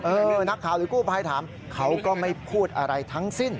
นักข่าวหรือกู้ภัยถามเขาก็ไม่พูดอะไรทั้งสิ้น